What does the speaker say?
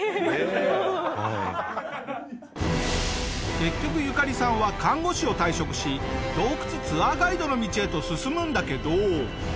結局ユカリさんは看護師を退職し洞窟ツアーガイドの道へと進むんだけど。